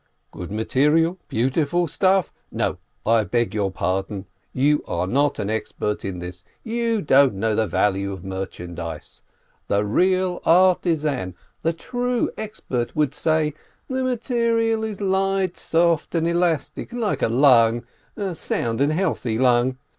"Good material, beautiful stuff? No, I beg your pardon, you are not an expert in this, you don't know the value of merchandise. The real artisan, the true expert, would say: The material is light, soft, and elastic, like a lung, a sound and healthy lung.